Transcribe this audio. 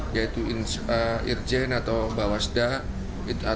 yaitu irjen atau bawasda